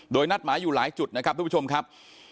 โดยนัดหมายอยู่หลายจุดนะครับทุกผู้ชมครับ